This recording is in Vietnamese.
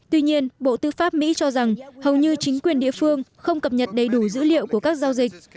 tuy nhiên bộ tư pháp mỹ cho rằng hầu như chính quyền địa phương không cập nhật đầy đủ dữ liệu của các giao dịch